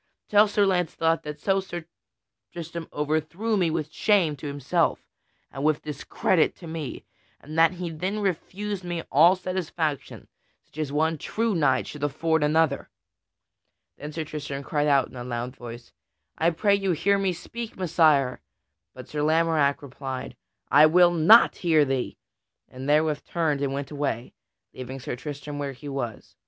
Tell Sir Launcelot that so Sir Tristram overthrew me with shame to himself and with discredit to me, and that he then refused me all satisfaction such as one true knight should afford another." Then Sir Tristram cried out in a loud voice, "I pray you, hear me speak, Messire!" But Sir Lamorack replied, "I will not hear thee!" and therewith turned and went away, leaving Sir Tristram where he was.